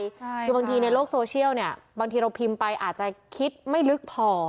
คือบางทีในโลกโซเชียลเนี่ยบางทีเราพิมพ์ไปอาจจะคิดไม่ลึกพอ